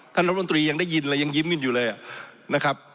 ท่านลำตรียังได้ยินเลยยังยิ้มอยู่เลยนะครับ